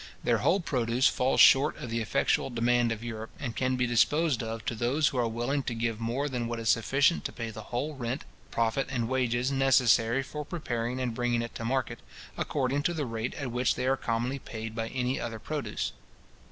Their whole produce falls short of the effectual demand of Europe, and can be disposed of to those who are willing to give more than what is sufficient to pay the whole rent, profit, and wages, necessary for preparing and bringing it to market, according to the rate at which they are commonly paid by any other produce.